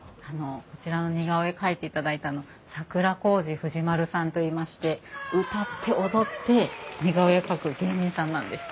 こちらの似顔絵描いていただいたの桜小路富士丸さんといいまして歌って踊って似顔絵を描く芸人さんなんです。